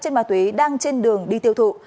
trên ma túy đang trên đường đi tiêu thụ